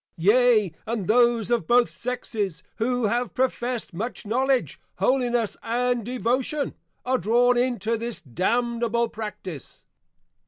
Yea, and those of both Sexes, who have Professed much Knowledge, Holiness, and Devotion, are drawn into this Damnable Practice.